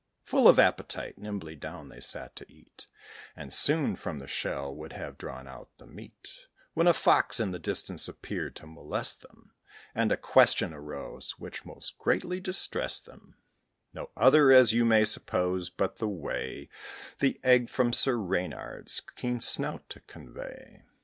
Full of appetite, nimbly they sat down to eat, And soon from the shell would have drawn out the meat, When a Fox in the distance appeared, to molest them, And a question arose, which most greatly distress'd them, No other, as you may suppose, but the way The Egg from Sir Reynard's keen snout to convey.